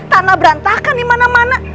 tanah berantakan dimana mana